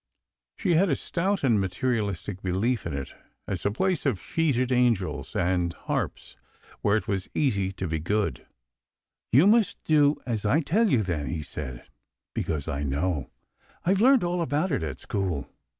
She had a stout and materialistic belief in it as a place of sheeted angels and harps, where it was easy to be good. 220 AND WHO SHALL SAY ?" You must do as I tell you, then," he said. " Because I know. I've learnt all about it at school."